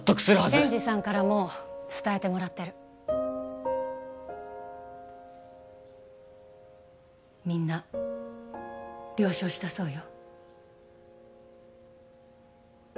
ケンジさんからもう伝えてもらってるみんな了承したそうよ・